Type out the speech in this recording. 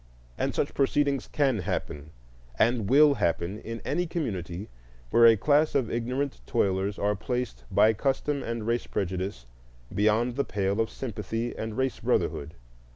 And such proceedings can happen, and will happen, in any community where a class of ignorant toilers are placed by custom and race prejudice beyond the pale of sympathy and race brotherhood.